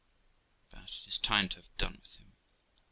But it is time to have done with him.